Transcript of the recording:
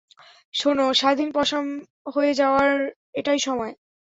শোন, স্বাধীন পসাম হয়ে যাওয়ার এটাই সময়।